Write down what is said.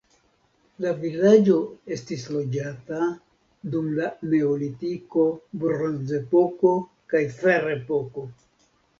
La vilaĝo estis loĝata dum la neolitiko, bronzepoko kaj ferepoko.